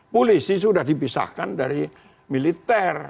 polisi sudah dipisahkan dari militer